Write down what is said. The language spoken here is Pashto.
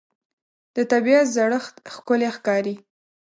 د طبیعت زړښت ښکلی ښکاري